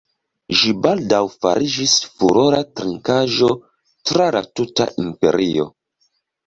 Ĝi baldaŭ fariĝis furora trinkaĵo tra la tuta imperio.